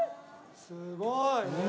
すごい！